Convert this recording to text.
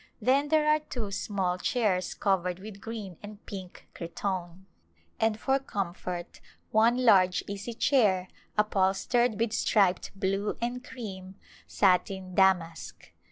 Then there are two small chairs covered with green and pink cretonne, and for comfort one large easy chair upholstered with striped blue and cream satin damask.